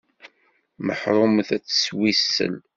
Meḥrumet ad tettwissel.